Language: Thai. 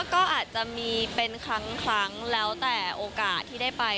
ก็อาจจะมีเป็นครั้งแล้วแต่โอกาสที่ได้ไป